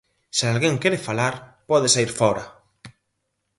Se alguén quere falar, pode saír fóra.